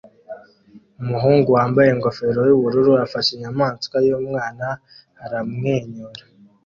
Umuhungu wambaye ingofero yubururu afashe inyamaswa yumwana aramwenyura